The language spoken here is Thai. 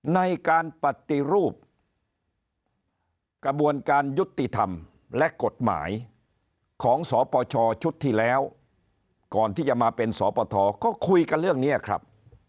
ในการปฏิรูปกระบวนการยุติธรรมและกฎหมายของสปชชุดที่แล้วก่อนที่จะมาเป็นสปทก็คุยกันเรื่องนี้ครับ